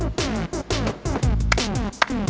aku gak mau kamu sakit